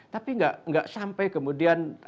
tapi nggak sampai kemudian